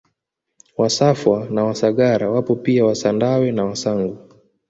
Wasafwa na Wasagara wapo pia Wasandawe na Wasangu